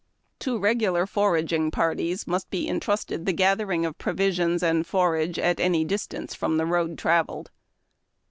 To regular foraging parties must be intrusted the gathering of provisions and forage at any distance from the road travelled."